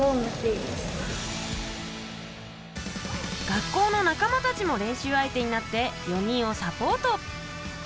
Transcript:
学校のなかまたちも練習相手になって４人をサポート。